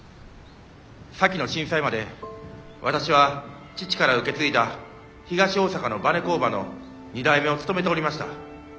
先の震災まで私は父から受け継いだ東大阪のバネ工場の２代目を務めておりました。